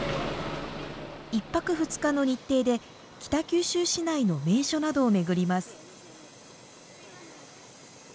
１泊２日の日程で北九州市内の名所などを巡ります。